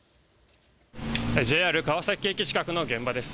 ＪＲ川崎駅近くの現場です。